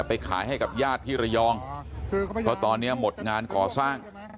ไปขายให้กับญาติที่ระยองเพราะตอนนี้หมดงานก่อสร้าง